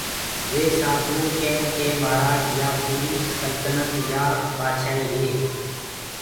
۔ وي سآڌوٚ ڪين ڪي مهآرآج يآ پوٚريٚ سلتنت يآ بآڇآئيٚ هي